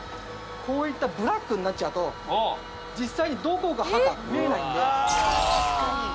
こういったブラックになっちゃうと実際にどこが刃か見えないんで。